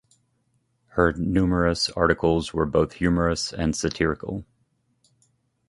Her numerous articles were both humorous and satirical.